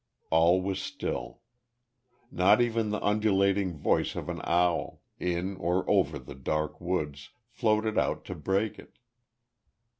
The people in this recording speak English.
All was still. Not even the ululating voice of an owl, in or over the dark woods, floated out to break it.